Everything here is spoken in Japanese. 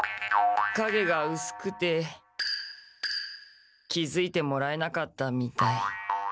かげがうすくて気づいてもらえなかったみたい。